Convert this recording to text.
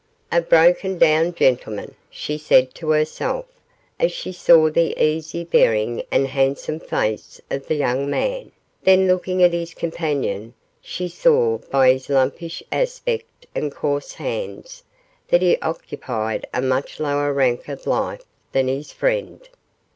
'A broken down gentleman,' she said to herself, as she saw the easy bearing and handsome face of the young man; then looking at his companion, she saw by his lumpish aspect and coarse hands, that he occupied a much lower rank of life than his friend.